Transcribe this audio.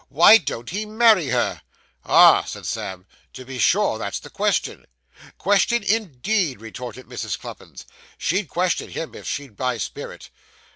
Why don't he marry her?' 'Ah,' said Sam, 'to be sure; that's the question.' 'Question, indeed,' retorted Mrs. Cluppins, 'she'd question him, if she'd my spirit.